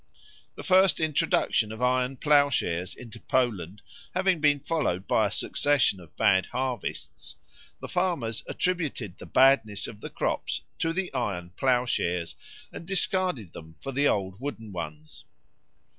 The first introduction of iron ploughshares into Poland having been followed by a succession of bad harvests, the farmers attributed the badness of the crops to the iron ploughshares, and discarded them for the old wooden ones.